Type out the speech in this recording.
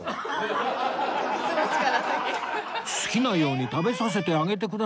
好きなように食べさせてあげてくださいよ